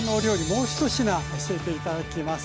もう１品教えて頂きます。